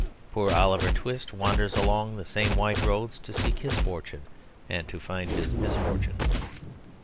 Poor Oliver Twist wanders along the same white roads to seek his fortune and to find his misfortune.